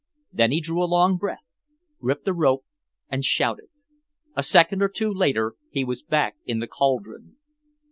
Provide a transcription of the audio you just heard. Then he drew a long breath, gripped the rope and shouted. A second or two later he was back in the cauldron.